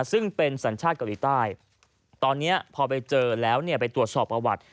ซึ่งเป็นสัญชาติเกาหลีใต้ตอนนี้พอไปเจอแล้วเนี่ยไปตรวจสอบประวัติ